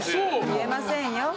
消えませんよ。